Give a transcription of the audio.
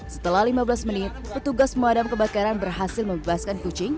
setelah lima belas menit petugas pemadam kebakaran berhasil membebaskan kucing